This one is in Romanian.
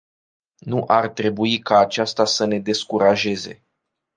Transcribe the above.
Nu ar trebui ca aceasta să ne descurajeze.